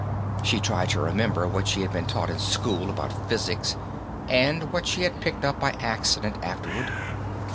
She tried to remember what she had been taught in school about physics, and what she had picked up by accident afterward.